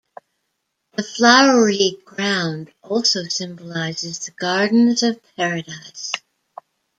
The flowery ground also symbolises the gardens of Paradise.